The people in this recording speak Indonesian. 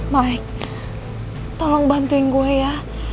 baik tolong bantuin gue ya